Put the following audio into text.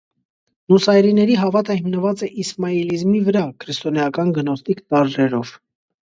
Նուսայրիների հավատը հիմնված է իսմայիլիզմի վրա՝ քրիստոնեական գնոստիկ տարրերով։